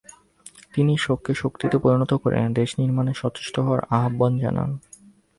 তিনি শোককে শক্তিতে পরিণত করে দেশ নির্মাণে সচেষ্ট হওয়ার আহ্বান জানান।